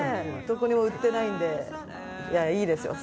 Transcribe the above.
どこにも売ってないんでいやいいですよ